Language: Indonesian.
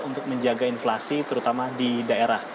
untuk menjaga inflasi terutama di daerah